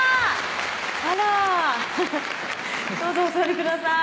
あらどうぞお座りください